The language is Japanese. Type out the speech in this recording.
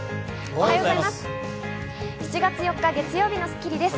おはようございます。